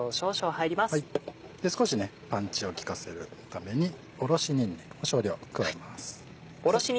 少しパンチを利かせるためにおろしにんにくを少量加えます。